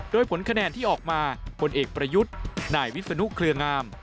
โดยผลคะแนนที่ออกมาพลเอกประยุทธ์นายวิศนุเครืองาม